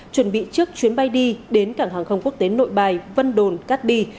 chuẩn bị trước chuyến bay đi đến cảng hàng không quốc tế nội bài vân đồn cát bi